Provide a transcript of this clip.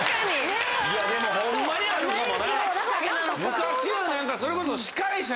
昔は何かそれこそ。